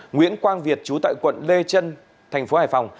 nguyễn quang việt chú tại quận lê trân tp hải phòng